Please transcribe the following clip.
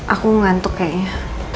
aku ngantuk kayaknya